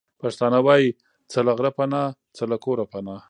پښتانه وايې:څه له غره پنا، څه له کوره پنا.